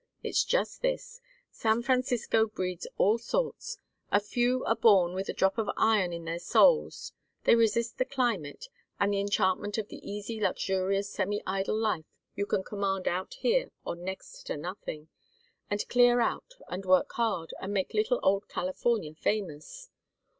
It's just this: San Francisco breeds all sorts. A few are born with a drop of iron in their souls. They resist the climate, and the enchantment of the easy luxurious semi idle life you can command out here on next to nothing, and clear out, and work hard, and make little old California famous.